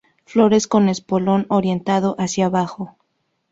Flores con espolón orientado hacia abajo.